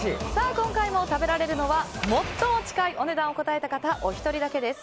今回も食べられるのは最も近いお値段を答えた方お一人だけです。